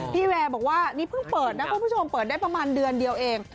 พี่แวร์บอกว่านี่เพิ่งเปิดนะคุณผู้ชมเปิดได้ประมาณเดือนเดียวเอง